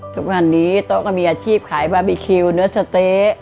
ทุกวันนี้โต๊ะก็มีอาชีพขายบาร์บีคิวเนื้อสะเต๊ะ